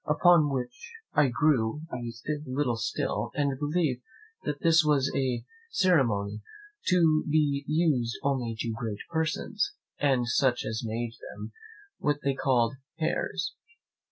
upon which I grew a little still, and believed this was a ceremony to be used only to great persons, and such as made them, what they called Heirs.